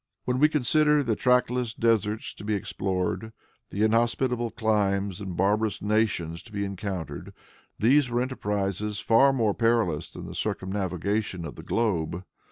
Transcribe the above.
When we consider the trackless deserts to be explored, the inhospitable climes and barbarous nations to be encountered, these were enterprises far more perilous than the circumnavigation of the globe.